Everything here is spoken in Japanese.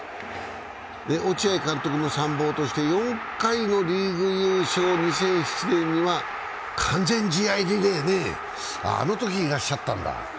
落合監督の参謀として４回のリーグ優勝、２００７年には完全試合リレーで、あのとき、いらっしゃったんだ。